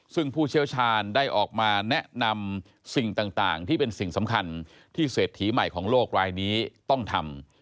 ซึ่งผู้เชี่ยวชาญได้ออกมาแนะนำสิ่งต่างที่เป็นสิ่งสำคัญที่เศรษฐีใหม่ของโลกรายนี้ต้องทำ